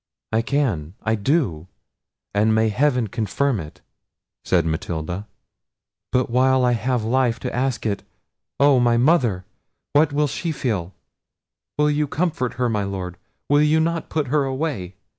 "I can, I do; and may heaven confirm it!" said Matilda; "but while I have life to ask it—oh! my mother! what will she feel? Will you comfort her, my Lord? Will you not put her away?